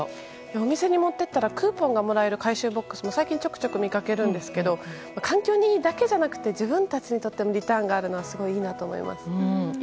お店に持っていったらクーポンがもらえる回収ボックスも最近ちょくちょく見かけるんですけど環境にいいだけじゃなく自分たちにとってのリターンがあるのはすごくいいなと思います。